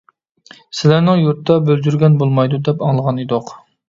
-سىلەرنىڭ يۇرتتا بۆلجۈرگەن بولمايدۇ دەپ ئاڭلىغان ئىدۇق!